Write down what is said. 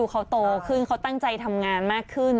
เขาโตขึ้นเขาตั้งใจทำงานมากขึ้น